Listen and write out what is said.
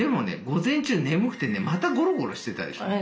午前中眠くてねまたゴロゴロしてたでしょう？